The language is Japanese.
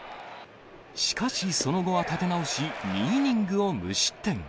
しかしその後は立て直し、２イニングを無失点。